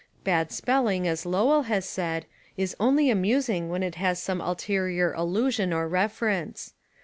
Bad spelling, as Lowell has said, is only amusing when it has some ulterior allusion or reference.